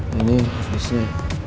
nah ini disini